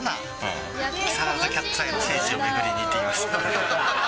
木更津キャッツアイの聖地を巡りに行ってきました。